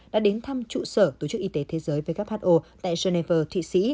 đã đến thăm trụ sở tổ chức y tế thế giới who tại geneva thụy sĩ